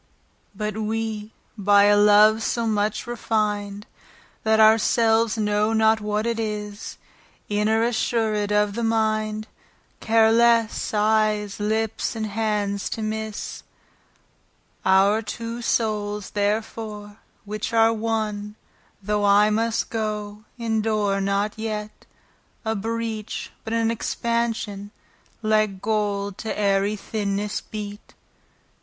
But we by a love, so much refin'd, That our selves know not what it is, Inter assured of the mind, Care lesse, eyes, lips, and hands to misse. Our two soules therefore, which are one, Though I must goe, endure not yet A breach, but an expansion, Like gold to ayery thinnesse beate.